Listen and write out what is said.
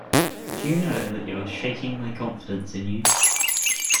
Do you know that you are shaking my confidence in you.